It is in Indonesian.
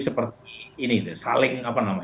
seperti ini saling